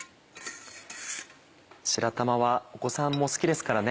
白玉はお子さんも好きですからね。